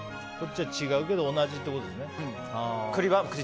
違うけど同じってことですね。